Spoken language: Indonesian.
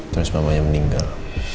terus mamanya meninggal